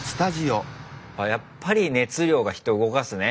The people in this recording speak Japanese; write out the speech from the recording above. やっぱり熱量が人動かすね。